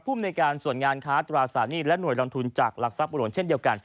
ภูมิในการส่วนงานค้าตราสารหนี้และหน่วยลงทุนจากหลักทรัพย์หลวงเช่นเดียวกัน